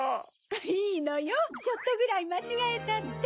いいのよちょっとぐらいまちがえたって。